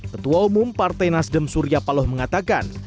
ketua umum partai nasdem surya paloh mengatakan